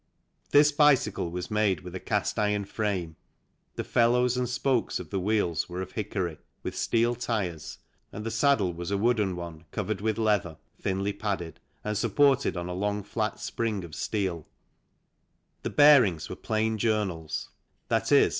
This bicycle was made with a cast iron frame, the felloes and spokes of the wheels were of hickory, with steel tyres, and the saddle was a wooden one covered with leather, thinly padded, and supported on a long flat spring of steel ; the bearings were plain journals, i.e.